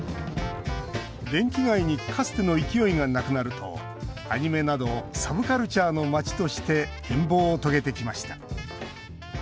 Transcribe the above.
電気街にかつての勢いがなくなるとアニメなどサブカルチャーの街として変貌を遂げてきました。